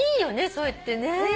そうやってね。